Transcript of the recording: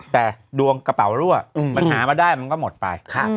แต่ดวงกระเป๋ารั่วมันหามาได้มันก็หมดไป